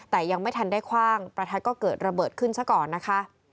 แต่ยังไม่ทันได้คว่างประทัดก็เกิดระเบิดขึ้นซะก่อนนะคะ